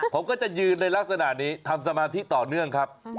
ผมก็จะยืนในลักษณะนี้ทำสมาธิต่อเนื่องครับ